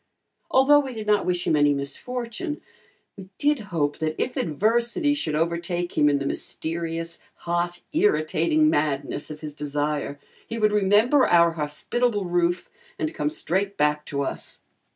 Although we did not wish him any misfortune, we did hope that if adversity should overtake him in the mysterious, hot, irritating madness of his desire, he would remember our hospitable roof, and come straight back to us.